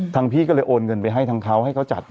พี่ก็เลยโอนเงินไปให้ทางเขาให้เขาจัด